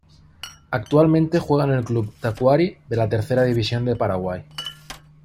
Actualmente juega en el club Tacuary de la Tercera División de Paraguay.